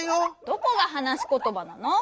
どこがはなしことばなの？